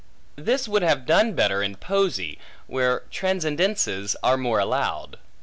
This would have done better in poesy, where transcendences are more allowed.